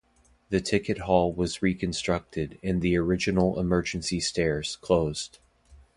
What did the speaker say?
The ticket hall was reconstructed and the original emergency stairs closed.